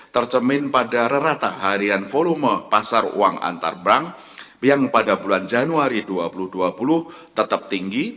tercermin pada rata harian volume pasar uang antar bank yang pada bulan januari dua ribu dua puluh tetap tinggi